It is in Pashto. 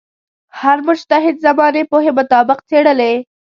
هر مجتهد زمانې پوهې مطابق څېړلې.